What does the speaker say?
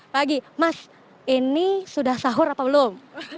pagi mas ini sudah sahur atau belum